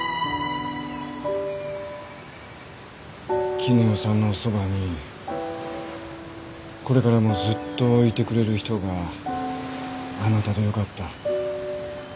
絹代さんのそばにこれからもずっといてくれる人があなたでよかった。